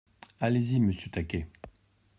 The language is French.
Allez-y, monsieur Taquet.